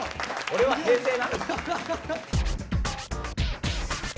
俺は平成なんだ。